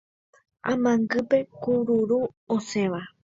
Amangýpe kururu osẽva